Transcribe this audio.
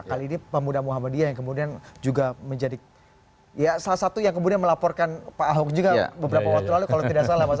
kali ini pemuda muhammadiyah yang kemudian juga menjadi ya salah satu yang kemudian melaporkan pak ahok juga beberapa waktu lalu kalau tidak salah mas